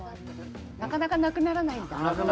なかなかなくならないんだ。